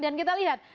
dan kita lihat